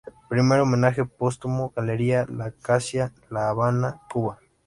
Primer Homenaje Póstumo", Galería La Acacia, La Habana, Cuba.